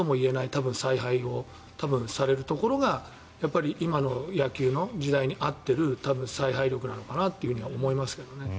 多分、采配をされるところが今の野球の時代に合っている采配力なのかなと思いますけどね。